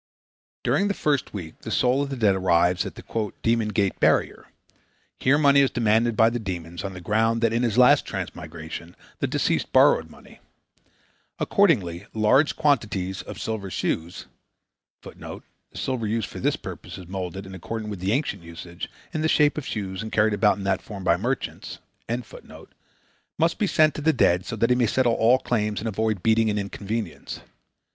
During the first week the soul of the dead arrives at the "Demon Gate Barrier." Here money is demanded by the demons on the ground that in his last transmigration the deceased borrowed money. Accordingly large quantities of silver shoes [Footnote: The silver used for this purpose is molded, in accordance with ancient usage, in the shape of shoes and carried about in that form by merchants.] must be sent to the dead so that he may settle all claims and avoid beating and inconvenience.